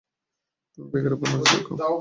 তুমি ব্যাগের উপর নজর রাখো।